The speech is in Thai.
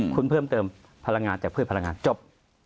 คุณเพิ่มเติมพลังงานจากพืชพลังงานจบ